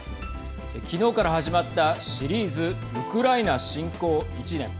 昨日から始まったシリーズウクライナ侵攻１年。